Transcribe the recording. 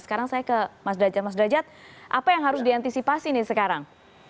sekarang saya ke mas dajat mas dajat apa yang harus diantisipasi nih sekarang